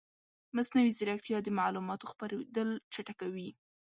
مصنوعي ځیرکتیا د معلوماتو خپرېدل چټکوي.